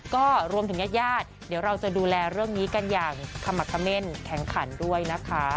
ก็รวมถึงญาติญาติเดี๋ยวเราจะดูแลเรื่องนี้กันอย่างขมักเขม่นแข็งขันด้วยนะคะ